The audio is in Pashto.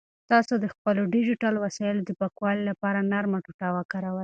تاسو د خپلو ډیجیټل وسایلو د پاکوالي لپاره نرمه ټوټه وکاروئ.